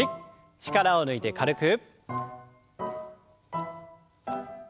力を抜いて軽く。